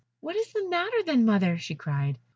"What is the matter, then, mother?" she cried.